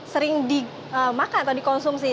sering dimakan atau dikonsumsi